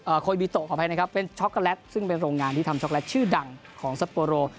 โคบิโตะขออภัยนะครับเป็นช็อกโกแลตซึ่งเป็นโรงงานที่ทำช็อกแลตชื่อดังของซัปโปโร